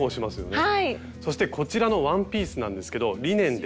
そしてこちらのワンピースなんですけどリネンです。